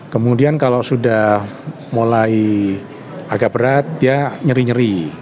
kemudian kalau sudah mulai agak berat dia nyeri nyeri